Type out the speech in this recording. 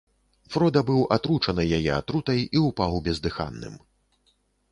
Фрода быў атручаны яе атрутай і ўпаў бездыханным.